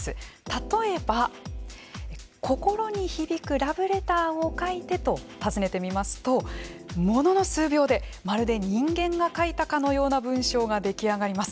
例えば、心に響くラブレターを書いてと尋ねてみますとものの数秒でまるで人間が書いたかのような文章が出来上がります。